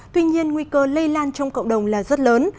tuy nhiên nguy cơ lây lan trong cộng đồng là rất lớn